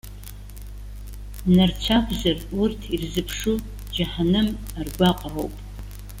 Нарцәы акәзар, урҭ ирзыԥшу џьаҳаным аргәаҟра ауп.